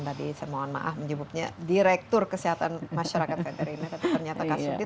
tadi saya mohon maaf menyebutnya direktur kesehatan masyarakat veteriner